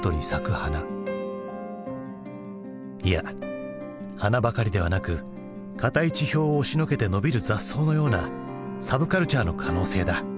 いや花ばかりではなく固い地表を押しのけて伸びる雑草のようなサブカルチャーの可能性だ。